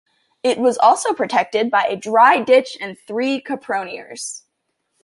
It was also protected by a dry ditch and three caponiers.